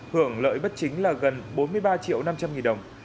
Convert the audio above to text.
hưởng lợi bất chính số tiền là trên bốn mươi sáu triệu tám trăm linh nghìn đồng